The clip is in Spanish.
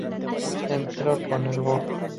Centro con el Bo.